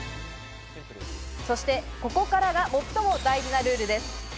そしてここからが最も大事なルールです。